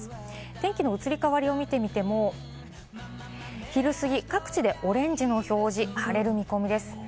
天気の移り変わりを見てみても昼過ぎ、各地でオレンジの表示、晴れる見込みです。